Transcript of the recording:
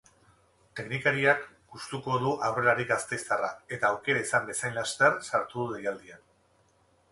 Teknikariak gustuko du aurrelari gasteiztarra eta aukera izan bezain laister sartu du deialdian.